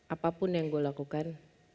apapun yang gue lakukan